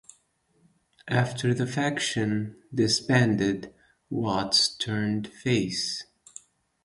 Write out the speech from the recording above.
After the faction disbanded, Watts turned face.